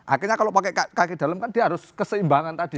akhirnya kalau pakai kaki dalam kan dia harus keseimbangan tadi